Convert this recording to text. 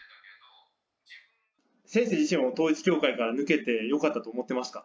先生自身は統一教会から抜けて、よかったと思ってますか？